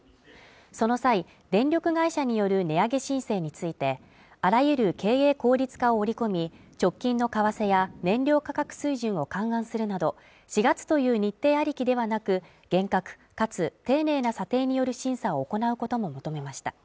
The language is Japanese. その際電力会社による値上げ申請についてあらゆる経営効率化を織り込み、直近の為替や燃料価格水準を勘案するなど４月という日程ありきではなく、厳格かつ丁寧な査定による審査を行うこともまとめました。